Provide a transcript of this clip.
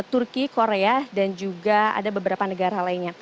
turki korea dan juga ada beberapa negara lainnya